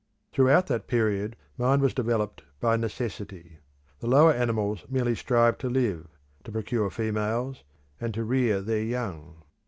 Throughout that period mind was developed by necessity. The lower animals merely strive to live, to procure females, and to rear their young.